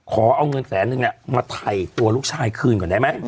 ขอเอาเงินแสนนึงมาไถ่ตัวลูกชายคืนก่อนได้ไหม